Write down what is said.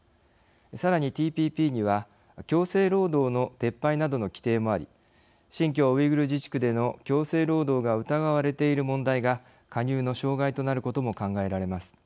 さらに、ＴＰＰには強制労働の撤廃などの規定もあり新疆ウイグル自治区での強制労働が疑われている問題が加入の障害となることも考えられます。